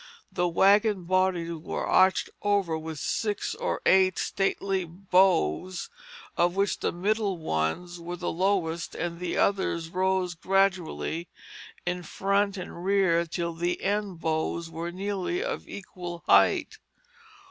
The wagon bodies were arched over with six or eight stately bows, of which the middle ones were the lowest, and the others rose gradually to front and rear till the end bows were nearly of equal height.